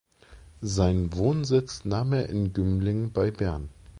Seinen Wohnsitz nahm er in Gümligen bei Bern.